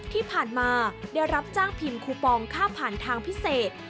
ที่ผ่านมาได้รับจ้างพิมพ์คูปองค่าผ่านทางพิเศษ